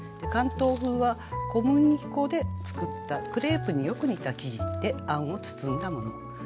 関東風は小麦粉で作ったクレープによく似た生地であんを包んだもの。